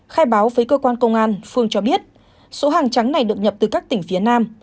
khai báo với cơ quan công an phương cho biết số hàng trắng này được nhập từ các tỉnh phía nam